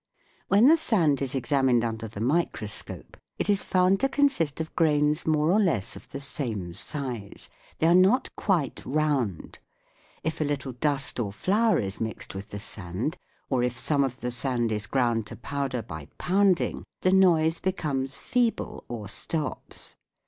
When the sand is examined under the microscope it is found to consist of grains more or less of the same size : they are not quite round. If a little dust or SOUNDS OF THE SEA 157 flour is mixed with the sand, or if some of the sand is ground to powder by pounding, the noise be comes feeble or stops.